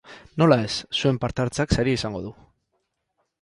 Nola ez, zuen parte hartzeak saria izango du.